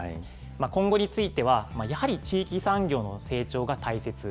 今後については、やはり地域産業の成長が大切。